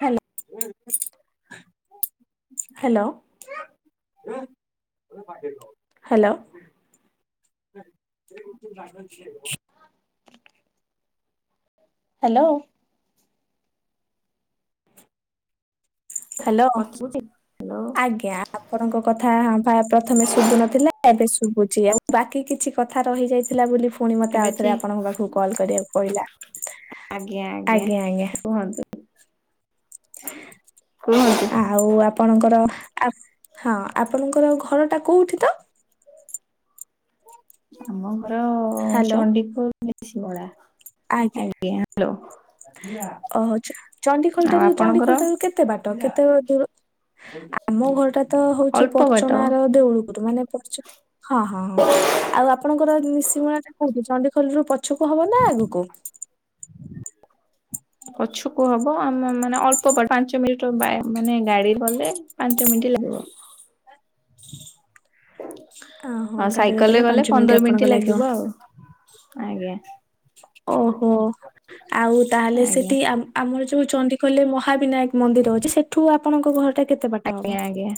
ହ୍ୟାଲ, hello. Hello hello hello କଥା ଶୁଭୁଚି hello. ଆଜ୍ଞା। ଆପଣଙ୍କ କଥା ଭା ପ୍ରଥମେ ଶୁଭୁନଥିଲା ଏବେ ଶୁଭୁଛି ଆଉ ବାକି କିଛି କଥା ରହିଯାଇଥିଲା ବୋଲି ଫୁଣି ମତେ ଏବେ ଆଉ ଥରେ ଠିକ୍ ଆପଣଙ୍କୁ ପାଖକୁ କଲ୍ କରିବାକୁ ପଇଲା। ଆଜ୍ଞା, ଆଜ୍ଞା। କୁହନ୍ତୁ କୁହନ୍ତୁ। ଆଉ ଆପଣଙ୍କର ଆ ହଁ ଆପଣଙ୍କର ଆଉ ଘରଟା କୋଉଠି ତ? ଆମ ଘର ହ୍ୟାଲୋ ଚଣ୍ଡିଖୋଲ [unintelligible] ଆଜ୍ଞା ହାଲୋ। ଓହୋ ଚଣ୍ଡିଖୋଲ ଆଉ ଠାରୁ ଆପଣଙ୍କର ଚଣ୍ଡିଖୋଲ ଠାରୁ କେ କେତେ ବାଟ କେତେ ବେଳେ ଦୂର [inaudible] ଆ ଆମ ଘରଟା ତ ହଉଚି ଅଳ୍ପ ବାଟ ପର୍ଚଣାର ଦେଉଳୁ ମାନେ ପର୍ଚଣା [inaudible] ହଁ, ହଁ, ହଁ, ଆଉ ଆପଣଙ୍କର ମିଶିମଳା ଟା କୋଉଠି? ଚଣ୍ଡିଖଲରୁ ପଛକୁ ହବ ନା ଆଗକୁ। ପଛକୁ ହବ ଆମ ମାନେ ଅ- ପାଞ୍ଚ ମିନିଟ, ବା ମାନେ ଗାଡି ଗଲେ ପାଞ୍ଚ ମିନିଟ ଲାଗିବ। ଓହୋ, ଆଉ ଗାଡିରେ ସାଇକେଲରେ ଗଲେ ପାଞ୍ଚ ମିନିଟ ପନ୍ଦର ଆପଣଙ୍କ ଲାଗିବ। ଆଉ ଆଜ୍ଞା ଓହୋ, ଆଉ ତାହେଲେ ଆଜ୍ଞା ସେଟି ଆମର ଯୋଉ ଚଣ୍ଡିଖୋଲ ମହାବିନାୟକ। ମନ୍ଦିର ଅଚି, ସେଠୁ ଆପଣଙ୍କ ଘରଟା କେତେ ବାଟ ଆଜ୍ଞା ହବ। ଆଜ୍ଞା।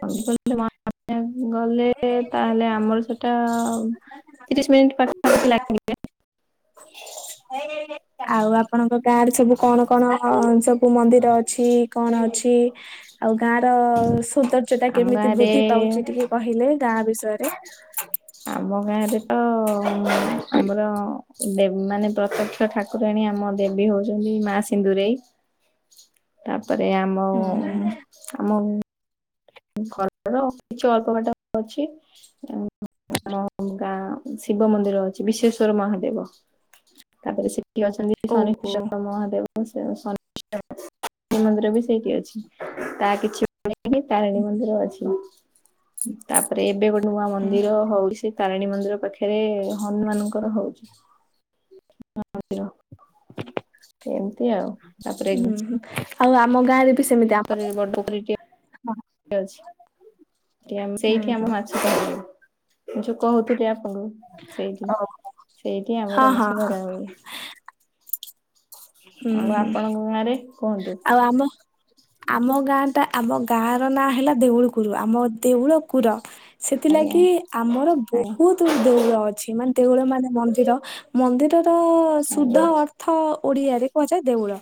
[unintelligible] ଗଲେ- ତାହେଲେ- ଆମର ସେଟା ତିରିଶ ମିିନିଟ ପାଖା ପାଖୀ ଲାଗି ଜାଏ। [unintelligible] ଆଉ ଆପଣଙ୍କ ଗାଁରେ ସବୁ କଣ, କଣ ସବୁ ମନ୍ଦିର ଅଛି କଣ ଅଛି? ଆଉ ଗାଁ ର ସୌନ୍ଦର୍ଯ୍ୟ ଟା ଆମ କେମିତି ବୃଦ୍ଧି ଗାଁରେ ପାଉଛି ଟିକେ କହିଲେ ଗାଁ ବିଷୟରେ। ଆମ ଗାଁରେ ତ- ଆମର ଦେ ମାନେ ପ୍ରତ୍ୟକ୍ଷ ଠାକୁର। କୁରାଣୀ ଆମ ଦେବୀ ହଉଛନ୍ତି ମା ସିନ୍ଦୁରେଇ। [inaudible] ତାପରେ ଆମ ହୁଁ ହୁଁ ହୁଁ [inaudible] ଆମ ଘରର -କିଛି ଅଳ୍ପ -ବାଟ ଅଛି। ଅଁ, ଆମ ଗାଁ ଶିବ ମନ୍ଦିର ଅଛି, ବିଶେଶ୍ଵର ମହାଦେବ। [inaudible] ତାପରେ ସେଟି ଅଛନ୍ତି, ଓହୋ ଶନିଶ୍ଚର- ମହାଦେବ। ସେ [unintelligible] ମନ୍ଦିର ବି ସେଇଠି ଅଛି, ତା କିଛି [unintelligible] ତାରିଣୀ ମନ୍ଦିର ଅଛି, [inaudible] ତାପରେ ଏବେ ଗୋଟେ ନୂଆ ହୁଁ। ମନ୍ଦିର ହଉଚି। ତାରିଣୀ ମନ୍ଦିର ପାଖରେ- ହନୁମାନଙ୍କର ହଉଚି। [unintelligible] [inaudible] ଏମିତି ଆଉ। ତାପରେ ହୁଁ, ହୁଁ, ଆଉ ଆମ ଗାଁରେ ବି ସେମିତି ଆ- [unintelligible] [inaudible] ଅଛି। ଏମ ହୁଁ ସେଇଠି ଆମ ହୁଁ। ମାଛ କୁ [inaudible] ଯୋଉ କହୁଥିଲି ଆପଣଙ୍କୁ। ସେଇଟି ଓହୋ [inaudible] ସେଇଟି ହଁ ଆମର ହଁ ମାଛ ହଁ ଧରା ହୁଏ [inaudible] ହୁଁ [inaudible] ଆଉ ହୁଁ। ଆପଣଙ୍କ ଗାଁରେ କୁହନ୍ତୁ। ଆଉ ଆମ- ଆମ ଗାଁ ଟା, ଆମ ଗାଁ ର ନାଁ ହେଲା ଦେଉଳ କୁରୁ, ଆମ ଦେଉଳ କୁର। ଆଜ୍ଞା ସେଥିଲାଗି -ଆମର ଆଜ୍ଞା ବହୁତ। ଦେଉଳ ଅଛି, ମାନେ ଦେଉଳ ମାନେ ମନ୍ଦିର ମନ୍ଦିରର ଶୁଦ୍ଧ ଆଜ୍ଞା ଅ- ଥ ଓଡିଆରେ କୁହାଯାଏ ଦେଉଳ,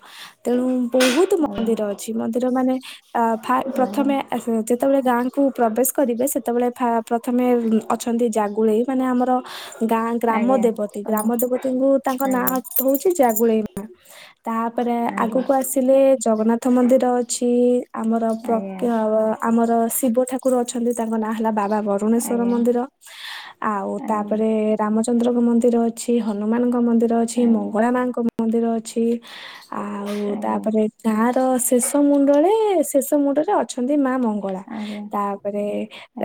ତେଣୁ ବହୁତ ମନ୍ଦିର ଆଜ୍ଞା ଅଛି ମନ୍ଦିର ମାନେ- ଆ, ଫା ଆଜ୍ଞା। ପ୍ରଥମେ ଯେତେବେଳେ, ଗାଁକୁ ପ୍ରବେଶ କରିବେ ସେତେବେଳେ ଫା- ପ୍ରଥମେ ଅଛନ୍ତି ଜାଗୁଳେଇ, ମାନେ ଆମର- ଗାଁ, ଗ୍ରାମ ଆଜ୍ଞା ଦେବତୀ ତମ ଗ୍ରାମ ଦେବତୀଙ୍କୁ ତାଙ୍କ ନାଁ ଆଜ୍ଞା ହଉଚି ଜାଗୁଳେଇ ମା। ତାପରେ ଆଜ୍ଞା ଆଗକୁ ଆସିଲେ, ଜଗନ୍ନାଥ ମନ୍ଦିର ଅଛି, ଆମର ଆଜ୍ଞା ଆଜ୍ଞା। ପ୍ରତ୍ୟ- ଆମର ଶିବ ଠାକୁର ଅଛନ୍ତି, ତାଙ୍କ ନାଁ ହେଲା ବାବା ବରୁଣେଶ୍ଵର ଆଜ୍ଞା ମନ୍ଦିର। [inaudible] ଆଉ ଆଜ୍ଞା ଆଜ୍ଞା ତାପରେ ରାମଚନ୍ଦ୍ରଙ୍କ ମନ୍ଦିର ଅ- ଛି, ହନୁମାନଙ୍କ ମନ୍ଦିର ଅଛି, ମଙ୍ଗଳା ମାଙ୍କ ମନ୍ଦିର ଅଛି, ଆ- ଆଉ ଆଜ୍ଞା ତାପରେ, ଗାଁ ର ଶେଷ ମୁଣ୍ଡରେ, ଶେଷ ମୁଣ୍ଡରେ ଅଛନ୍ତି ମା ମଙ୍ଗ- ଗଳା, ଆଜ୍ଞା ତାପରେ,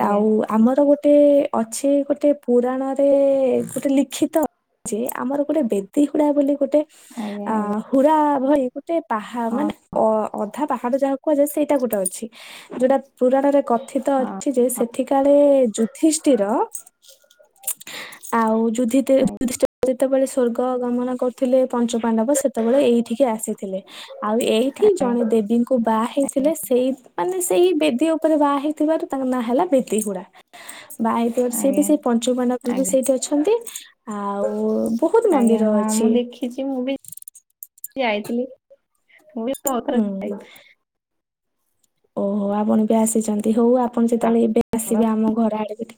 ଆଉ ଆମର ଗୋଟେ- ଅଛି ଗୋଟେ ପୁରାଣରେ -ଗୋଟେ ଲିଖିତ-ଅଛି ଆମର ଗୋଟେ ବେ- ତି ହୁଡା ବୋଲି ଗୋଟେ ଆଜ୍ଞା [inaudible] ଆ, ଆଜ୍ଞା ହୁଡ଼ା ଭଳି। ଗୋଟେ ପାହା ହଁ ମାନେ ଅ ଅଧା ପାହାଡ ଯାହାକୁ କୁହାଯାଏ ସେଇଟା ଗୋଟେ ଅଛି ଯୋଉଟା। ପୁରାଣରେ କଥିତ ଅଛି ହଁ। ଯେ ସେଠି କାଳେ ଯୁଧିଷ୍ଠିର। ଆଉ ଯୁଧି ତେ। ଆଜ୍ଞା ଯେତେବେଳେ ସ୍ଵର୍ଗ ଗମନ କରୁଥିଲେ ପଞ୍ଚୁ ପାଣ୍ଡବ ସେତବେଳେ ଏଇଠିକି ଆସିଥିଲେ। ଥିଲେ, ଆଉ ଏଇଠି ଜଣେ ଦେବୀଙ୍କୁ ବାହା ହେଇଥିଲେ ସେଇ। ମାନେ ସେଇ ବେଦୀ ଉପରେ ବାହା ହେଇଥିବାରୁ ତାଙ୍କ ନାଁ ହେଲା ବେଦୀ ହୁଡା। ଭାଇ ତୋ, ସିଏ ବି ସେଇ ପଞ୍ଚୁପାଣ୍ଡବ ବି ଆଜ୍ଞା ସେଇଠି ଅଛନ୍ତି। ଆଉ ବହୁତ ମନ୍ଦିର ଅଛି। କିଛି ମୁଁ ବି ଯାଇଥିଲୁ, ମୁଁ ବି ବହୁତଥର ହୁଁ। ଯାଇଚି। ଓହୋ ଆପଣ ବି ଆସିଚନ୍ତି, ହଉ ଆପଣ ଯେତବଳେ ଏବେ ଆସିବେ ଆମ ଘର ଆଡେ କ।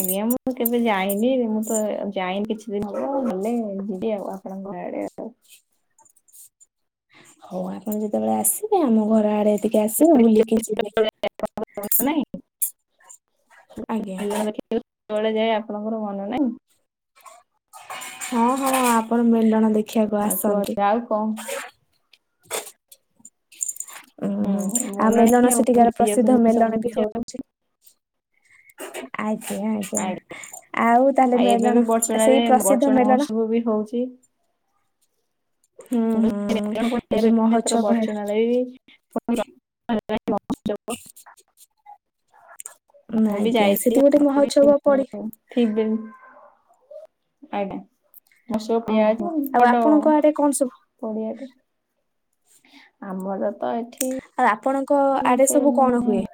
ଆଜ୍ଞା, ମୁଁ କେବେ ଯାଇନି ମୁଁ ତ ଯାଇନି କିଛି ଦିନ ହବ ଗଲେ ଯିବି ଆଉ ଆ। ଆପଣଙ୍କ ଘର ଆଡେ। ହଉ ଆପଣ ଯେତବଳେ ଆସିବେ ଆମ ଘର ଆଡେ। ଟିକେ ଆସିବେ ବୁଲିକି ଯିବେ। ଆଜ୍ଞା [unintelligible] ହଁ ହଁ ଆପଣ ମେଲଣ ଦେଖିଆକୁ ଆସନ୍ତି। କମ୍। ଓଁ ହୋଁ, ହୁଁ ଆଉ ମନ ମେଲଣ ନାହିଁ ସେଠିକାର ଭୁଲି ପ୍ରସିଦ୍ଧ ଯାଉଛନ୍ତି ସବୁ ମେଲଣ ବି କିଛି ଆଉ ହଉଚି। ଆଜ୍ଞା ଆଜ୍ଞା, ଆଉ ତାହେଲେ ମେଲଣ ସେଇ ପ୍ରସିଦ୍ଧ ମେଲଣ। ମୁଁ ବି ହଉଚି। ହୁଁ ହୁଁ ଏବେ ମହୋତ୍ସବ ହେଲା [unintelligible] [unintelligible] ନାଁ ମୁଁ ବି ଆଜ୍ଞା, ଯାଇଛି ସେଠି ଗୋଟେ ଆପଣ ବି ମହୋତ୍ସବ ପଡି। ଥିବେ। ଆଜ୍ଞା, ମସ ଓହୋ ପିଆଜ ଆଉ ବଡ ଆପଣଙ୍କ ଆଡେ କଣ ସବୁ ପଡିଆ ଟେ। ଆମର ତ ଏଠି। ଆଉ ଆପଣଙ୍କ ଆଡେ ଏତେ ସବୁ କଣ ମାନେ ହୁଏ?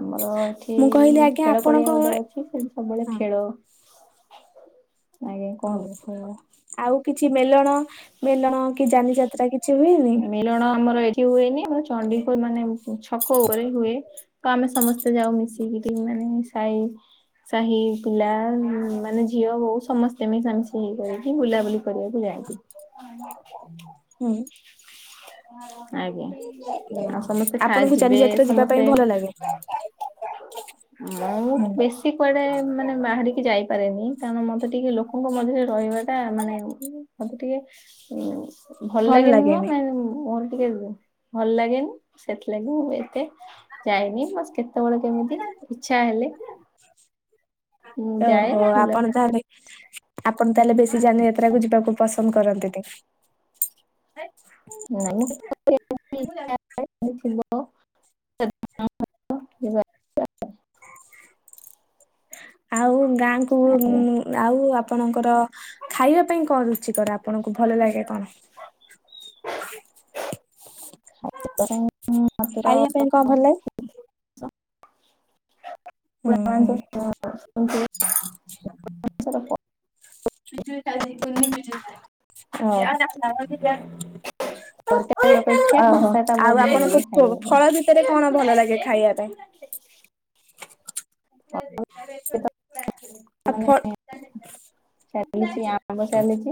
ଆମର ଏଠି ମୁଁ କହିଲି ଆଜ୍ଞା ଖେଳ ପଡିଆ ଗୋଟେ ଆପଣଙ୍କ ଅଛି ସେଠି ସବୁବେଳେ ଖେଳୁ। ଆଜ୍ଞା କୁହନ୍ତୁ। ହ, ଆଉ କିଛି ମେଲଣ ମେଲଣ କି ଯାନି ଯାତ୍ରା କିଛି ହୁଏନି? ମେଲଣ ଆମର ଏଠି ହୁଏନି, ଆମର ଚଣ୍ଡିପୁର ମାନେ ଛକ ଉପରେ ହୁଏ। ତ ଆମେ ସମସ୍ତେ ଯାଉ ମିଶିକି ଟିକି ନାନୀ, ସାଇ। ସାହି ପିଲା ମାନେ ଝିଅ ବୋଉ ସମସ୍ତେ ମିଶା ମିଶି କରିକି ବୁଲାବୁଲି କରିଆକୁ ଯାଆନ୍ତି। [unintelligible] ହୁଁ। ଆଜ୍ଞା, ଆଉ ସମସ୍ତେ ଖାଇ ଆପଣଙ୍କୁ ଯାନି ଯିବେ ଯାତ୍ରା ଯିବା ପାଇଁ ସମସ୍ତେ। ଭଲ ଲାଗେ? ମୁଁ ବେଶୀ କୁଆଡେ ମାନେ ମାହାଡିକି ଯାଇପାରେନି। କାରଣ ମତେ ଟିକେ ଲୋକଙ୍କ ମଝିରେ ରହିବା ଟା ମାନେ ମତେ ଟିକେ ଉ। ଭଲ ଲାଗେ। ମୋର ଟିକେ ଭଲ ଲାଗେନି, ସେଥିଲାଗି ମୁଁ ଏତେ। ଯାଇନି ବାସ୍ କେତବଳେ କେମିତି ଇଚ୍ଛା ହେଲେ। ମୁଁ ଯାଏ ଓହୋ, ବୁଲା ଆପଣ ତାହାଲେ। ଆପଣ ତାହେଲେ ବେଶୀ ଯାନି ଯାତ୍ରା କୁ ଯିବାକୁ ପସନ୍ଦ କରନ୍ତିନି। ଆ। [unintelligible] ଯିବା ଆଉ ଗାଁ କୁ ଆଉ ଆପଣଙ୍କର ଖାଇବା ପାଇଁ କଣ ରୁଚି କର ଆପଣଙ୍କୁ? ଭଲ ଲାଗେ କଣ? ଖାଇବା ପାଇଁ କଣ ଭଲ ଲାଗେ? ହୁଁ ହୁଁ [unintelligible] [inaudible] ତରକାରୀ [unintelligible] [unintelligible] ଫଳ ଅପେକ୍ଷା କଷା ଟା ବହୁତ ଭଲ ଲାଗେ ଖାଇବା ଭିତରେ କଣ ଭଲ ଲାଗେ ଖାଇବା ପାଇଁ? ଆଫ [unintelligible] [unintelligible] ପାଇଁ। ମାନେ ଚାଲିଛି ଆମ୍ବ ଚାଲିଛି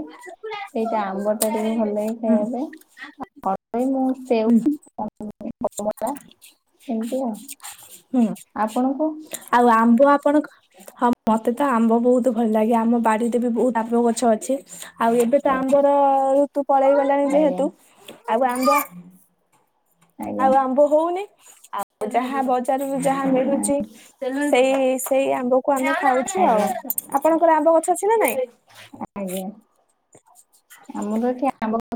ସେଇଟା ଆମ୍ବ ଟା ଟିକେ ଭଲ ଲାଗେ ଖାଇବା ପାଇଁ କଦଳୀ ମୁଁ ସେଉ ଏମିତି ଆଉ ହୁଁ, ଆପଣଙ୍କୁ ଆଉ ଆମ୍ବ ଆପଣଙ୍କ? ହଁ ମତେ ତ ଆମ୍ବ ବହୁତ ଭଲ ଲାଗେ। ଆମ ବାଡ଼ିରେ ବି ବହୁତ ଆମ୍ବ ଗଛ ଅଛି। ଆଉ ଏବେ ତ ଆମ୍ବର ଋତୁ ପଳେଇ ଗଲାଣି ଆଜ୍ଞା ଯେହେତୁ। ଆଉ ଆମ୍ବ ଆଜ୍ଞା ଆଉ ଆମ୍ବ ହଉନି। ଆଉ ଯାହା ବଜାରରୁ ଯାହା ମିଳୁଚି। ତେଣୁ ସେଇ, ସେଇ ଆମ୍ବକୁ ଆମେ ଖାଉଛୁ ଆଜ୍ଞା ଆଉ। ଆପଣଙ୍କର ଆମ୍ବ ଗଛ ଅଛି ନା ନାଇଁ? ଆଜ୍ଞା। ଆମର ଏଠି ଆମ୍ବ ଗଛ